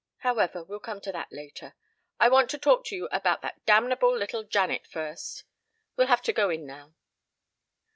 However, we'll come to that later. I want to talk to you about that damnable little Janet first we'll have to go in now."